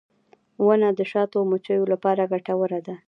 • ونه د شاتو د مچیو لپاره ګټوره ده.